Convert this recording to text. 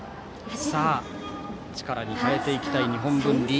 さあ、力に変えていきたい日本文理。